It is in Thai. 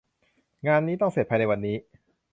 งานนี้ต้องเสร็จภายในวันนี้